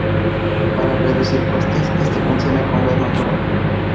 Para reducir costes, este funciona con gas natural.